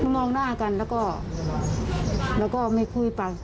มองหน้ากันแล้วก็ไม่คุยไป